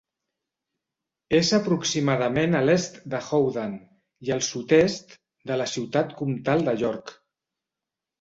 És aproximadament a l'est de Howden i al sud-est de la ciutat comtal de York.